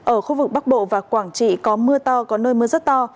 ở khu vực bắc bộ và quảng trị có mưa to có nơi mưa rất to